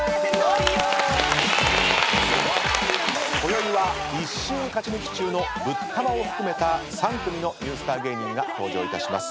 こよいは１週勝ち抜き中のぶったまを含めた３組のニュースター芸人が登場いたします。